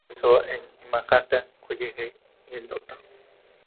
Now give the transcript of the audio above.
Ingresó al Manhattan College y al Dto.